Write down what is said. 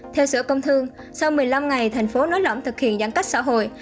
theo sở công thương sau một mươi năm ngày tp hcm thực hiện giãn cách xã hội